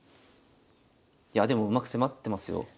いやでもうまく迫ってますよ。